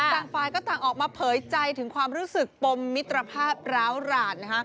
ต่างฝ่ายก็ต่างออกมาเผยใจถึงความรู้สึกปมมิตรภาพร้าวหลาน